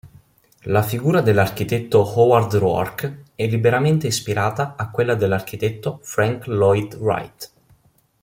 La figura dell'architetto Howard Roark è liberamente ispirata a quella dell'architetto Frank Lloyd Wright.